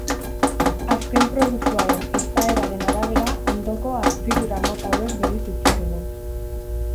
Azken produktuaren izaeraren arabera ondoko hartzidura-mota hauek bereiz ditzakegu.